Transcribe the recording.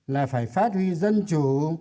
là phải phát huy dân chủ